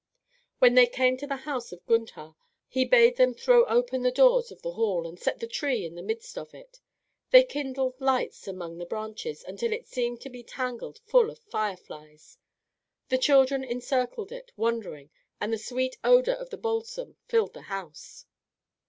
When they came to the house of Gundhar, he bade them throw open the doors of the hall and set the tree in the midst of it. They kindled lights among the branches until it seemed to be tangled full of fire flies. The children encircled it, wondering, and the sweet odour of the balsam filled the house.